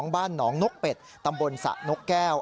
บ้านหนองนกเป็ดตำบลสระนกแก้ว